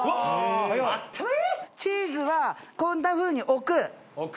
チーズはこんなふうに置く・置く！